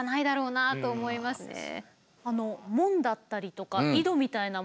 門だったりとか井戸みたいなものも。